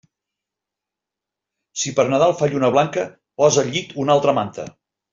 Si per Nadal fa lluna blanca, posa al llit una altra manta.